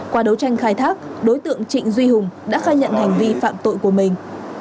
qua đấu tranh khai thác đối tượng trịnh duy hùng đã khai nhận hành vi phạm tội của mình